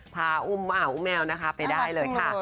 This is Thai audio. พาอุ้มแมวไปได้เลยค่ะ